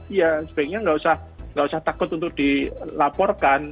ya sebaiknya nggak usah takut untuk dilaporkan